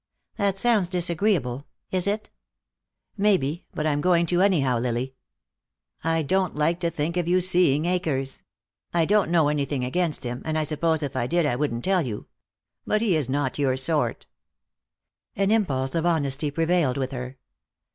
"That sounds disagreeable. Is it?" "Maybe, but I'm going to anyhow, Lily. I don't like to think of you seeing Akers. I don't know anything against him, and I suppose if I did I wouldn't tell you. But he is not your sort." An impulse of honesty prevailed with her.